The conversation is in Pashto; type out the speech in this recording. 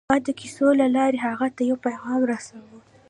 ما د کیسو له لارې هغه ته یو پیغام رساوه